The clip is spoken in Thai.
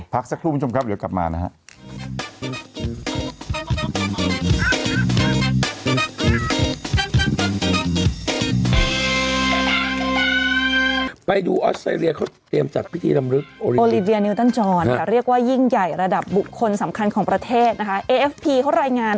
พักสักครู่คุณผู้ชมครับเดี๋ยวกลับมานะฮะ